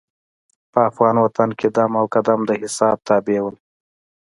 په افغان وطن کې دم او قدم د حساب تابع وو.